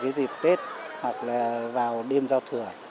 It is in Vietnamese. có cái dịp tết hoặc là vào đêm giao thừa